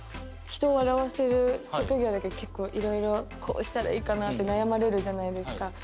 人を笑わせる職業だけど結構色々こうしたらいいかなって悩まれるじゃないですか。